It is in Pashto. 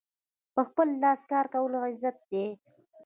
په خپل لاس کار کول عزت دی.